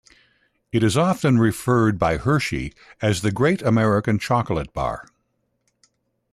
It is often referred by Hershey as The Great American Chocolate Bar.